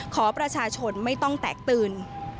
ขอประชาชนไม่ต้องแตกตื่น